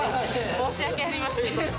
申し訳ありません。